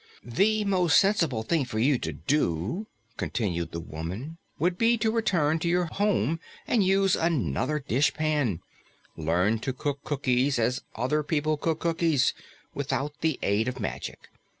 "The most sensible thing for you to do," continued the woman, "would be to return to your home and use another dishpan, learn to cook cookies as other people cook cookies, without the aid of magic.